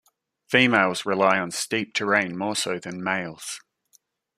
Females rely on steep terrain more so than males.